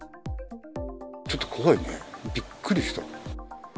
ちょっと怖いね、びっくりした。